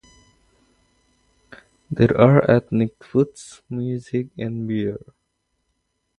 There are ethnic foods, music, and beer.